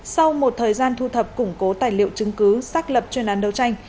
sau một thời gian thu thập củng cố tài liệu chứng cứ xác lập chuyên án đấu tranh